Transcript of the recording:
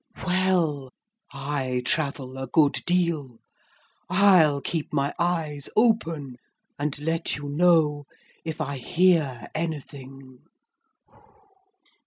'Well I travel a good deal I'll keep my eyes open, and let you know if I hear anything.'